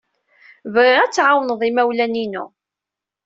Bɣiɣ ad tɛawned imawlan-inu.